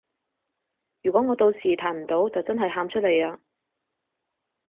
如果我到時彈唔到就真係喊出嚟啊